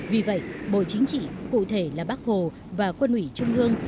vì vậy bộ chính trị cụ thể là bác hồ và quân ủy trung ương